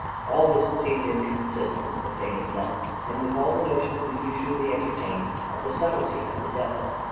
All this seemed inconsistent with the thing itself, and with all the notions we usually entertain of the subtlety of the devil.